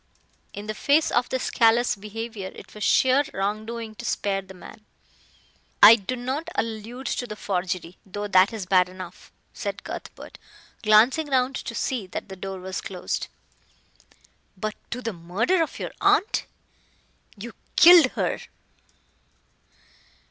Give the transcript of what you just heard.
In the face of this callous behavior it was sheer wrongdoing to spare the man. "I do not allude to the forgery, though that is bad enough," said Cuthbert, glancing round to see that the door was closed, "but to the murder of your aunt. You killed her."